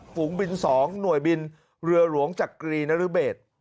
ฝูงบิน๒หน่วยบินเรือหลวงจักรีนรเบศ